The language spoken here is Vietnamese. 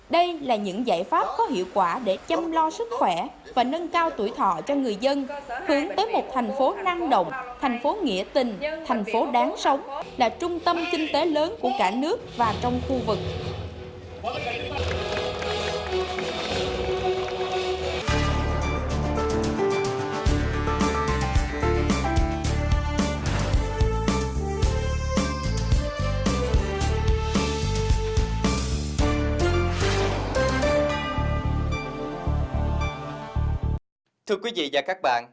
đây là những giải pháp có hiệu quả để chăm lo sức khỏe và nâng cao tuổi thọ cho người dân hướng tới một thành phố năng động thành phố nghĩa tình thành phố đáng sống là trung tâm kinh tế lớn của cả nước và trong khu vực